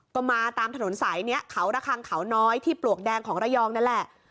ก็มาตามถนนสายนี้เขาระคังเขาน้อยที่ปลวกแดงของระยองนั่นแหละ